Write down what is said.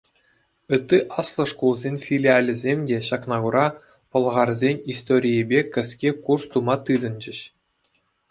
Ытти аслӑ шкулсен филиалӗсем те, ҫакна кура, пӑлхарсен историйӗпе кӗске курс тума тытӑнчӗҫ.